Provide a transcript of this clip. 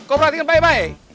kau perhatikan baik baik